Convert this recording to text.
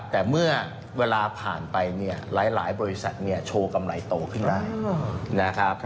แต่เมื่อเวลาผ่านไปหลายบริษัทโชว์กำไรโตขึ้นได้